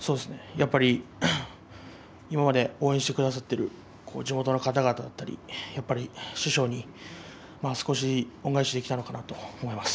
やっぱり今まで応援してくださっている地元の方々だったり師匠に少しは恩返しできたのかなと思います。